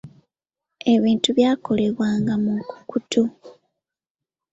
Ebintu byakolebwanga mu nkukutu.